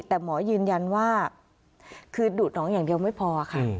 แต่หมอยืนยันว่าคือดูดน้องอย่างเดียวไม่พอค่ะ